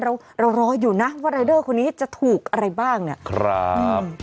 เราเรารออยู่นะว่ารายเดอร์คนนี้จะถูกอะไรบ้างเนี่ยครับ